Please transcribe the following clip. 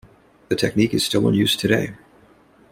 The technique is still in use today.